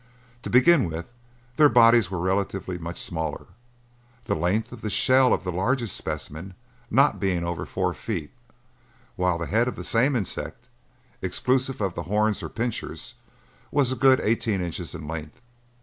To begin with, their bodies were relatively much smaller, the length of shell of the largest specimen not being over four feet, while the head of the same insect, exclusive of the horns or pinchers, was a good eighteen inches in length.